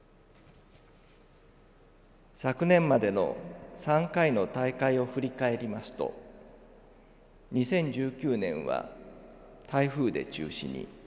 昨年までの３回の大会を振り返りますと２０１９年は台風で中止に。